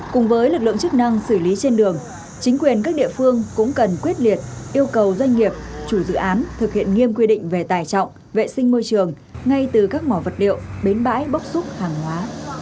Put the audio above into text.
cùng với lực lượng chức năng xử lý trên đường chính quyền các địa phương cũng cần quyết liệt yêu cầu doanh nghiệp chủ dự án thực hiện nghiêm quy định về tài trọng vệ sinh môi trường ngay từ các mỏ vật liệu bến bãi bốc xúc hàng hóa